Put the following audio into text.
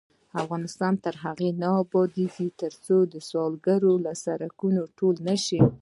افغانستان تر هغو نه ابادیږي، ترڅو سوالګر له سړکونو ټول نشي.